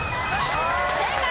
正解。